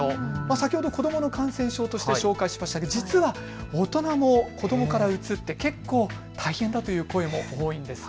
先ほど子どもの感染症として紹介しましたが実は大人も子どもからうつって結構大変だという声も多いんです。